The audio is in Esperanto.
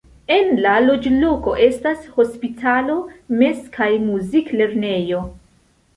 En la loĝloko estas hospitalo, mez- kaj muzik-lernejo.